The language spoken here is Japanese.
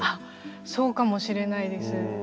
そうかもしれないです。